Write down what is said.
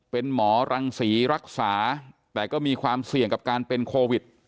เป็นหมอรังศรีรักษาแต่ก็มีความเสี่ยงกับการเป็นโควิด